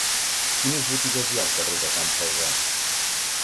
Quines botigues hi ha al carrer de Can Falgàs?